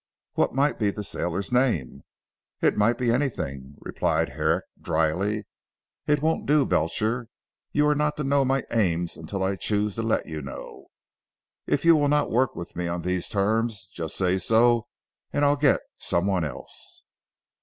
"What might be the sailor's name?" "It might be anything," replied Herrick dryly. "It won't do Belcher. You are not to know my aims until I choose to let you know. If you will not work for me on these terms, just say so and I'll get some one else."